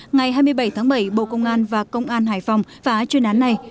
ngày hai mươi bảy tháng bảy bộ công an và công an hải phòng phá chuyên án này